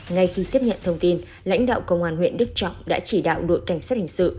ngay khi tiếp nhận thông tin lãnh đạo công an huyện đức trọng đã chỉ đạo đội cảnh sát hình sự